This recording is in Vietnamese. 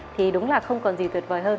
thì đúng là không còn gì tuyệt vời hơn